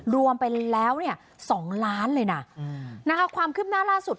รวมไปแล้วเนี่ยสองล้านเลยนะนะคะความคืบหน้าล่าสุด